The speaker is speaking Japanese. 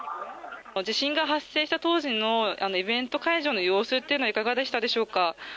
地震が発生した当時のイベント会場の様子はいかがでしたでしょうか。